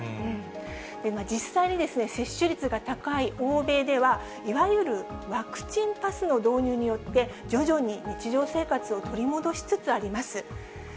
実際に、接種率が高い欧米では、いわゆるワクチンパスの導入によって、徐々に日常生活を取り戻しつつあります。